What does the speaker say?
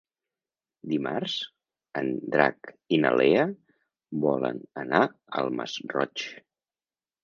Dimarts en Drac i na Lea volen anar al Masroig.